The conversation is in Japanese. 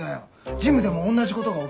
ジムでも同じことが起きてさ。